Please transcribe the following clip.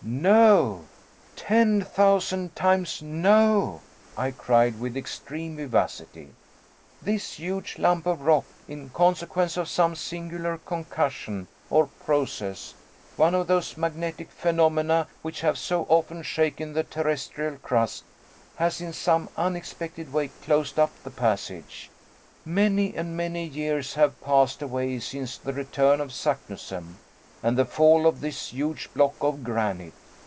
"No ten thousand times no," I cried, with extreme vivacity. "This huge lump of rock, in consequence of some singular concussion, or process, one of those magnetic phenomena which have so often shaken the terrestrial crust, has in some unexpected way closed up the passage. Many and many years have passed away since the return of Saknussemm, and the fall of this huge block of granite.